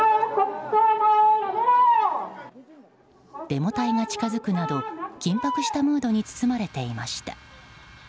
デモ隊が近づくなど緊迫したムードに包まれていました。